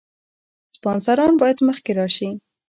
سپانسران باید مخکې راشي.